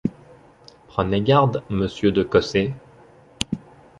Prenez garde, monsieur de Cossé!